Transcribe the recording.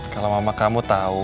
kalau mama kamu tau